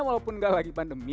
walaupun gak lagi pandemi